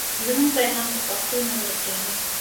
زموږ پیغام په پښتو نه ورکېږي.